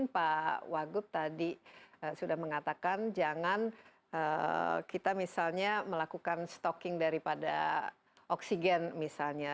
pak wagub tadi sudah mengatakan jangan kita misalnya melakukan stocking daripada oksigen misalnya